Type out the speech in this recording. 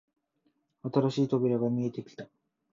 新しい扉が見えてきた